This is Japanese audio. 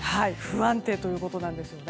不安定ということなんです。